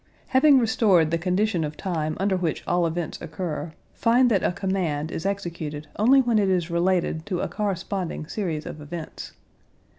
Having restored the condition of time under which all events occur, we find that a command is executed only when it is related to a corresponding series of events.